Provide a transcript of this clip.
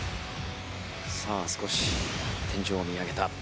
さあ少し天井を見上げた。